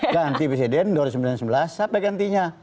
ganti presiden dua ribu sembilan belas siapa gantinya